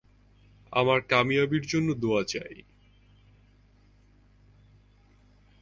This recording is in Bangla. আমার কামিয়াবীর জন্য দোয়া চাই।